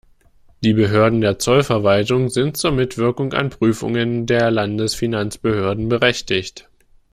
Die Behörden der Zollverwaltung sind zur Mitwirkung an Prüfungen der Landesfinanzbehörden berechtigt.